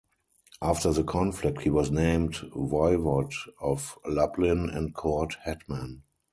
After the conflict, he was named Voivode of Lublin and court hetman.